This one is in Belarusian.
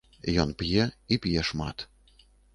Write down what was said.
Ён п'е і п'е шмат.